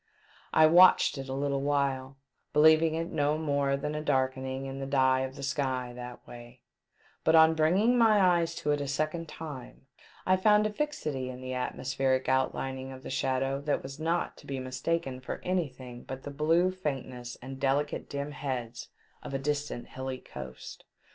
I watched it a little while, believing it no more than a darkening in the dye of the sky that way ; but on bringing my eyes to it a second time, I found a fixity in the atmospheric outlining of the shadow that was not to be mistaken for anything but the blue faintness and delicate dim heads of a distant hilly coast.